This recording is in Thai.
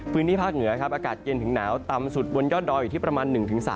พื้นที่ภาคเหนือครับอากาศเย็นถึงหนาวต่ำสุดบนยอดดอยอยู่ที่ประมาณ๑๓